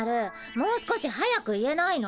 もう少し速く言えないの？